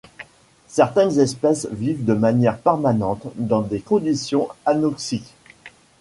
Certaines espèces vivent de manière permanente dans des conditions anoxiques.